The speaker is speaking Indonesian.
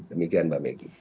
demikian mbak meggy